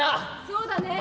そうだね。